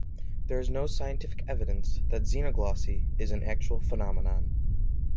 There is no scientific evidence that xenoglossy is an actual phenomenon.